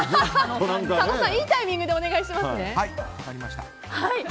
佐野さんいいタイミングでお願いしますね。